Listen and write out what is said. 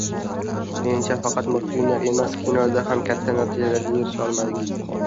Menimcha, faqat multfilmlar emas, kinoda ham katta natijalarga erisha olmadik.